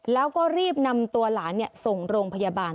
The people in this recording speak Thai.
แล้วก็รีบนำตัวหลานส่งโรงพยาบาล